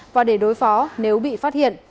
và để đối phó nếu bị phát hiện